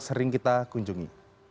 sering kita kunjungi